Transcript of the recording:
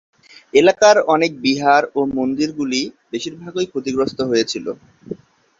এলাকার অনেক বিহার ও মন্দিরগুলি বেশিরভাগই ক্ষতিগ্রস্ত হয়েছিল।